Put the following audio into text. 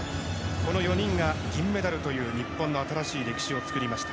この４人が銀メダルという日本の新しい歴史を作りました。